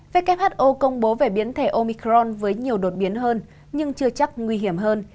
who công bố về biến thể omicron với nhiều đột biến hơn nhưng chưa chắc nguy hiểm hơn